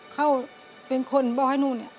เขาเป็นคนบอกให้หนูเนี่ย